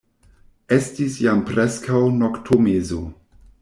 Estis jam preskaŭ noktomezo.